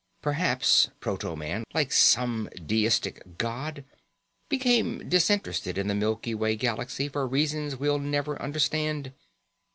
Perhaps proto man, like some deistic god, became disinterested in the Milky Way Galaxy for reasons we'll never understand.